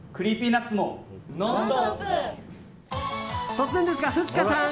突然ですが、ふっかさん。